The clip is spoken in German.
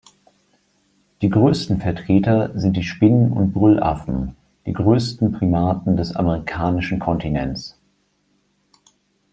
Die größten Vertreter sind die Spinnen- und Brüllaffen, die größten Primaten des amerikanischen Kontinents.